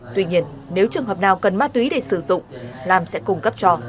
tuy nhiên nếu trường hợp nào cần ma túy để sử dụng lam sẽ cung cấp cho